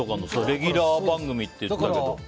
レギュラー番組って言ってたけど。